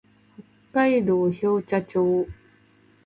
北海道標茶町